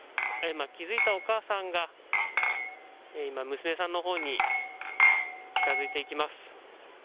今、気づいたお母さんが娘さんのほうに近づいていきます。